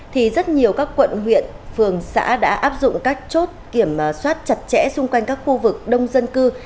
thì rất nhiều các quận huyện phường xã đã áp dụng các chốt kiểm soát chặt chẽ xung quanh các khu vực đông dân cư